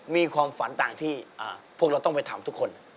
มีความฝันต่างที่พวกเราต้องไปถามทุกคน